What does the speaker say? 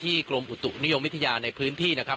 ตอนนี้ผมอยู่ในพื้นที่อำเภอโขงเจียมจังหวัดอุบลราชธานีนะครับ